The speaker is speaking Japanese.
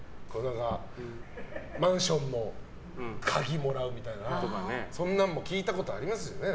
マンションの鍵をもらうとかそんなのも聞いたことありますよね。